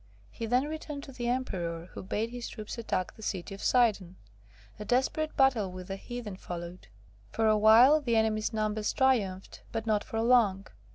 He then returned to the Emperor, who bade his troops attack the city of Sidon. A desperate battle with the heathen followed; for awhile the enemy's numbers triumphed, but not for long.